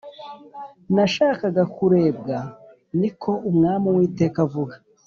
Nashakaga kurebwa Ni ko Umwami Uwiteka avuga